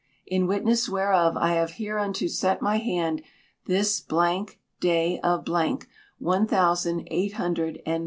In witness whereof I have hereunto set my hand this day of , one thousand eight hundred and